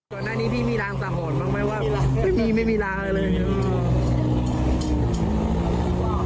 ตอนนี้พี่มีรางสะหดบ้างไหมว่าพี่ไม่มีรางอะไรเลย